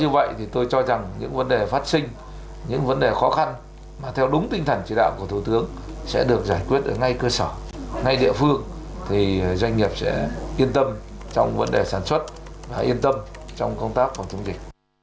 và yên tâm trong công tác phòng chống dịch